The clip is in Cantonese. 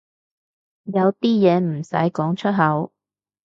有啲嘢唔使講出口